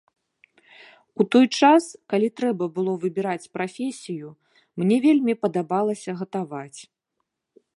У той час, калі трэба было выбіраць прафесію, мне вельмі падабалася гатаваць.